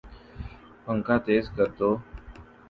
پنکھا تیز کردو